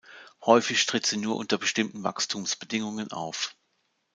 Häufig tritt sie nur unter bestimmten Wachstumsbedingungen auf.